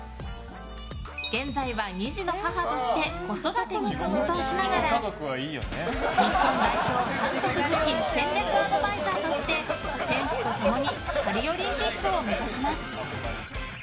現在は２児の母として子育てに奮闘しながら日本代表監督付戦略アドバイザーとして選手と共にパリオリンピックを目指します。